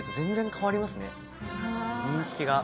認識が。